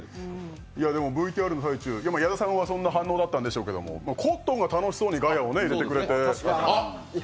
ＶＴＲの最中、矢田さんはそんな反応だったんでしょうけどコットンが楽しそうにガヤを入れてくれて。